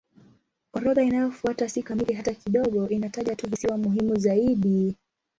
Orodha inayofuata si kamili hata kidogo; inataja tu visiwa muhimu zaidi.